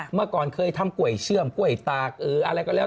เมื่อก่อนเคยทำกล้วยเชื่อมกล้วยตากอะไรก็แล้ว